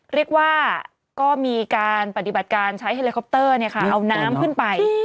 เรียกว่าก็มีการปฏิบัติการใช้เฮลิคอปเตอร์เอาน้ำขึ้นไป